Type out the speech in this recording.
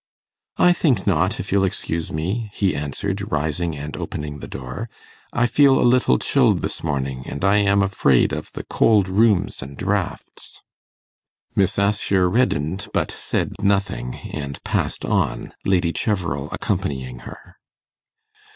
'I think not, if you'll excuse me,' he answered, rising and opening the door; 'I feel a little chilled this morning, and I am afraid of the cold rooms and draughts.' Miss Assher reddened, but said nothing, and passed on, Lady Cheverel accompanying her.